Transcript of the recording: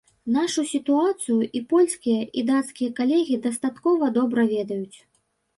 Нашу сітуацыю і польскія, і дацкія калегі дастаткова добра ведаюць.